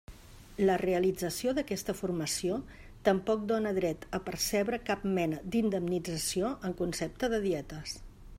La realització d'aquesta formació tampoc dóna dret a percebre cap mena d'indemnització en concepte de dietes.